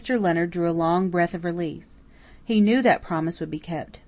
Leonard drew a long breath of relief. He knew that promise would be kept.